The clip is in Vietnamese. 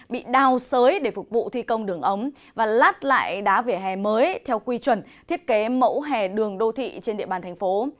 bị đào sới để phục vụ thi công đường ống và lát lại đá vỉa hè mới theo quy chuẩn thiết kế mẫu hè đường đô thị trên địa bàn thành phố